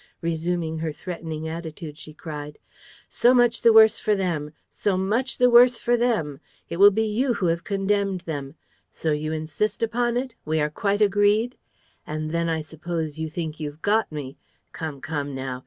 Resuming her threatening attitude, she cried: "So much the worse for them! So much the worse for them! It will be you who have condemned them! So you insist upon it? We are quite agreed? ... And then I suppose you think you've got me! Come, come now!